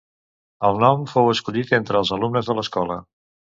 El nom fou escollit entre els alumnes de l'escola.